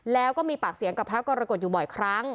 แล้วก็มีปากเสียงกับพระกรกฎอยู่บ่อยครั้ง